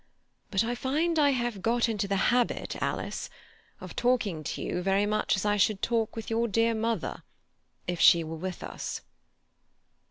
But I find I have got into the habit, Alice, of talking to you very much as I should talk with your dear mother if she were with us."